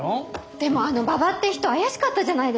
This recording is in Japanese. でもあの馬場って人怪しかったじゃないですか。